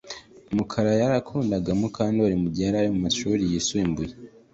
Mukara yakundaga Mukandoli igihe yari mu mashuri yisumbuye